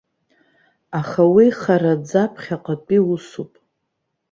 Аха уи хараӡа ԥхьаҟатәи усуп.